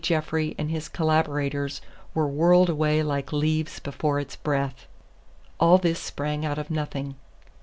Jeffrey and his collaborators were whirled away like leaves before its breath. All this sprang out of nothing.